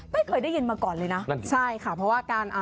ไม่เคยได้ยินมาก่อนเลยนะนั่นใช่ค่ะเพราะว่าการอ่า